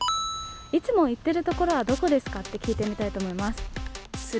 いつも行っているところはどこですか？と聞いてみたいと思います。